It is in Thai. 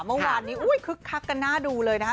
เมื่อวานนี้คึกคักกันน่าดูเลยนะคะ